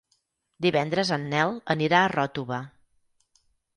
Divendres en Nel anirà a Ròtova.